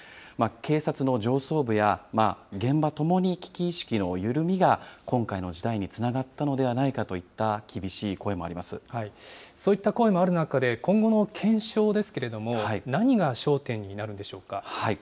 警察の上層部や現場ともに危機意識のゆるみが、今回の事態につながったのではないかといった厳しそういった声もある中で、今後の検証ですけれども、何が焦点になるんでしょうか。